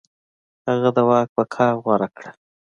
هغه د واک بقا غوره کړه.